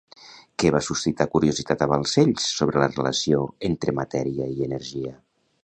Què va suscitar curiositat a Balcells sobre la relació entre matèria i energia?